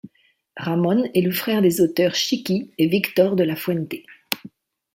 Ramón est le frère des auteurs Chiqui et Víctor de la Fuente.